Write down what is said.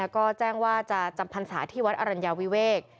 ก็แจ้งว่าจะจำพรรษาที่วัดอรัญญาวิเวก